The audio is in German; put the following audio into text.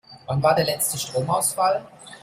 Wann war der letzte Stromausfall?